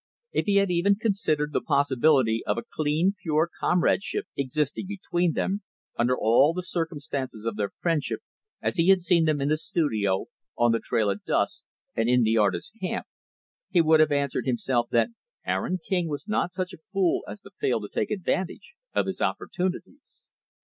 If he had even considered the possibility of a clean, pure comradeship existing between them under all the circumstances of their friendship as he had seen them in the studio, on the trail at dusk, and in the artist's camp he would have answered himself that Aaron King was not such a fool as to fail to take advantage of his opportunities.